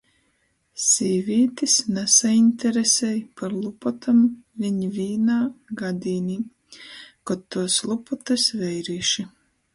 Sīvītis nasaiņteresej par lupotom viņ vīnā gadīnī... Kod tuos lupotys - veirīši...